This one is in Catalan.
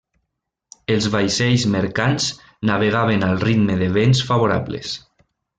Els vaixells mercants navegaven al ritme de vents favorables.